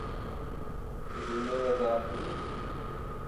Tu bi min re diaxivî?